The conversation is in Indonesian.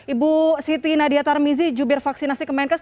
ibu siti nadia tarmizi jubir vaksinasi kemenkes